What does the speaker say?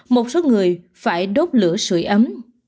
một số người phải đốt lửa sữa ấm